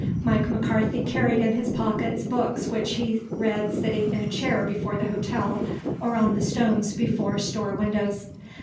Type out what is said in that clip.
Mike McCarthy carried in his pockets books which he read sitting in a chair before the hotel or on the stones before store windows.